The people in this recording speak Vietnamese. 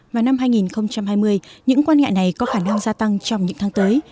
vào năm hai nghìn hai mươi những quan ngại này có khả năng gia tăng trong những tháng tới